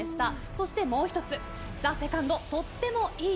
そして、もう１つＴＨＥＳＥＣＯＮＤとってもいい。